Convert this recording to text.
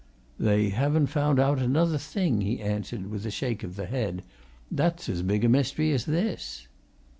"They haven't found out another thing," he answered, with a shake of the head. "That's as big a mystery as this!